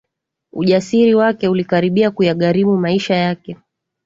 Ujasiri wake ulikaribia kuyagharimu maisha yake